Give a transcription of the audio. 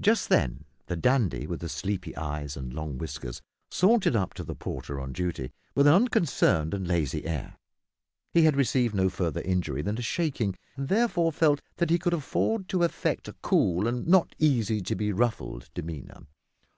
Just then the dandy with the sleepy eyes and long whiskers sauntered up to the porter on duty, with an unconcerned and lazy air. He had received no further injury than a shaking, and therefore felt that he could afford to affect a cool and not easy to be ruffled demeanour.